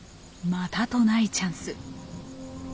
またとないチャンス。